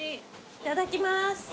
いただきます。